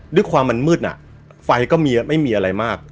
ด้วยความมันมืดไฟก็ไม่มีอะไรมาก